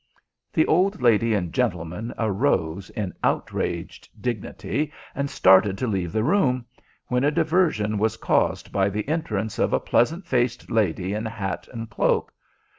The old lady and gentleman arose in outraged dignity and started to leave the room, when a diversion was caused by the entrance of a pleasant faced lady in hat and cloak.